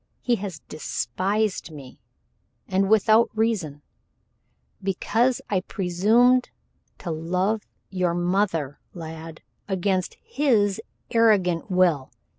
He has despised me, and without reason because I presumed to love your mother, lad, against his arrogant will.